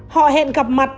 họ hẹn gặp mặt